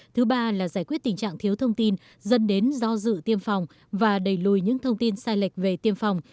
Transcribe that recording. thứ ba là giải quyết tình trạng thiếu thông tin dân đến do dự tiêm phòng và đầy lùi những thông tin sai lệch về tiêm phòng